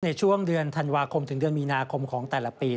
ในช่วงเดือนธันวาคมถึงเดือนมีนาคมของแต่ละปี